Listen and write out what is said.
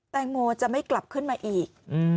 แตงโมจะไม่กลับขึ้นมาอีก